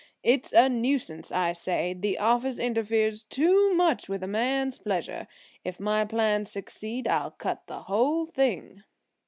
It's a nuisance, I say. The office interferes too much with a man's pleasure. If my plans succeed I'll cut the whole thing."